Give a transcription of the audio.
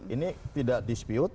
ini tidak dispute